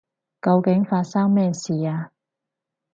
究竟發生咩事啊？